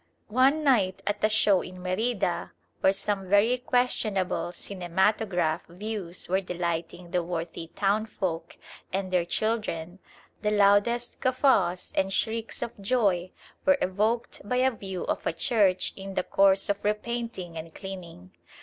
One night at a show in Merida where some very questionable cinematograph views were delighting the worthy townfolk and their children, the loudest guffaws and shrieks of joy were evoked by a view of a church in the course of repainting and cleaning.